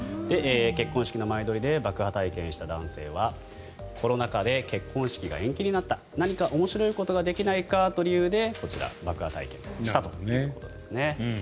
結婚式の前撮りで爆破体験した男性はコロナ禍で結婚式が延期になった何か面白いことができないかという理由でこちら爆破体験したということですね。